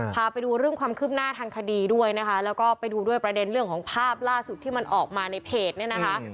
พาไปดูเรื่องความคืบหน้าทางคดีด้วยนะคะแล้วก็ไปดูด้วยประเด็นเรื่องของภาพล่าสุดที่มันออกมาในเพจเนี่ยนะคะ